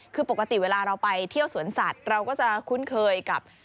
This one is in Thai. คือปกติเวลาเราไปเที่ยวสวนสัตว์เราก็จะคุ้นเคยกับ